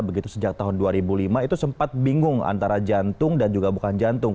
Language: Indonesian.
begitu sejak tahun dua ribu lima itu sempat bingung antara jantung dan juga bukan jantung